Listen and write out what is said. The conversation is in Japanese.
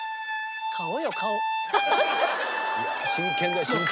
「いや真剣だよ真剣」